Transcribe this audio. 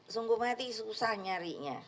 sungguh mengerti susah nyarinya